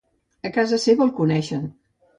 A casa seva el coneixen.